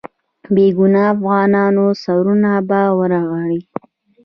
بې ګناه افغانانو سرونه به ورغړي.